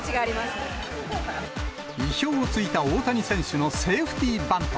意表をついた大谷選手のセーフティーバント。